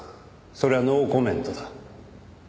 それはノーコメントだ。